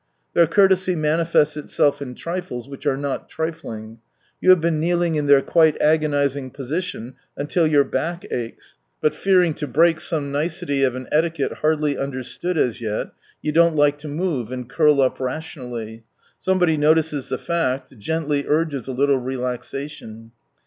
Their courtesy manifests itself in trifles which are not trifling. You have been kneeling in their quite agonising position, until your back aches, but fearing to break some nicety of an etiquette hardly under stood as yet, you don't like to move, and curl up rationally. Somebody notices the fact, gently urges a Hltle relaxation.